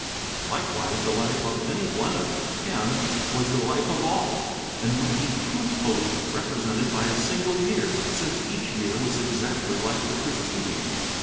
Likewise the life of any one of the Ten was the life of all, and might be truthfully represented by a single year, since each year was exactly like the preceding.